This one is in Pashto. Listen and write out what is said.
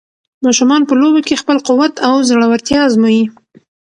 ماشومان په لوبو کې خپل قوت او زړورتیا ازمويي.